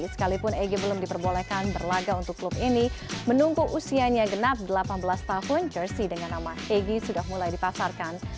sekalipun egy belum diperbolehkan berlaga untuk klub ini menunggu usianya genap delapan belas tahun jersey dengan nama egy sudah mulai dipasarkan